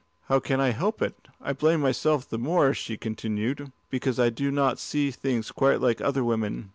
"How can I help it? I blame myself the more," she continued, "because I do not see things quite like other women.